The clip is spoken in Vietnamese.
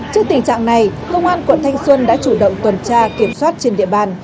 trước tình trạng này công an quận thanh xuân đã chủ động tuần tra kiểm soát trên địa bàn